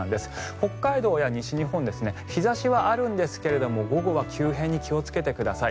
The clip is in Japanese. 北海道や西日本日差しはあるんですけれども午後は急変に気をつけてください。